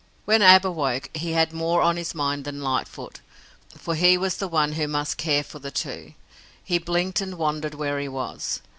When Ab awoke, he had more on his mind than Lightfoot, for he was the one who must care for the two. He blinked and wondered where he was.